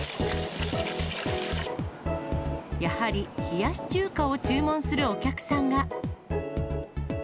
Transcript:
やはり冷やし中華を注文するお客さんが。